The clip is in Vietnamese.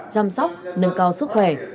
chăm sóc nâng cao sức khỏe